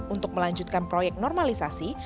untuk melanjutkan proyek normalisasi